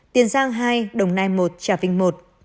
tiền giang hai đồng nai một trà vinh một